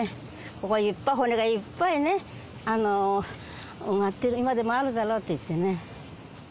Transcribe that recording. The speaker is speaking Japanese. ここ、いっぱい、骨がいっぱいね、埋まってる、今でもあるだろうって言ってね。